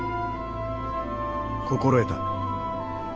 心得た。